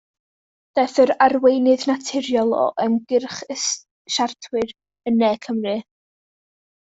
Daeth yn arweinydd naturiol o ymgyrch y siartwyr yn Ne Cymru.